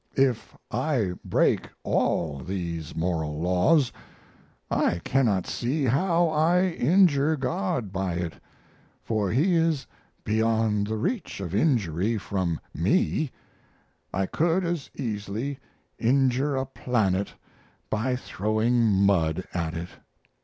If I break all these moral laws I cannot see how I injure God by it, for He is beyond the reach of injury from me I could as easily injure a planet by throwing mud at it.